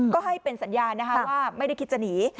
ก็ให้เป็นสัญญาณนะคะว่าไม่ได้คิดจะหนี